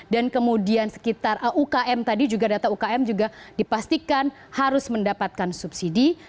dan kemudian sekitar ukm tadi juga data ukm juga dipastikan harus mendapatkan subsidi